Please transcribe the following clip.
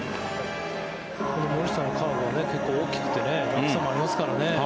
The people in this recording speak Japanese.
この森下のカーブは結構大きくて落差もありますからね。